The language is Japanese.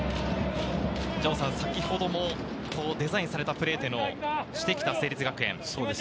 城さん、先ほどもデザインされたプレーをしてきた成立学園。